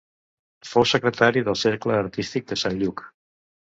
Fou secretari del Cercle Artístic de Sant Lluc.